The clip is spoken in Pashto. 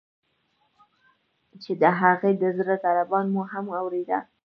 چې د هغې د زړه ضربان مو هم اوریده.